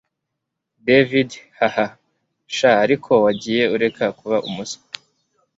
david haha, sha ariko wagiye ureka kuba umuswa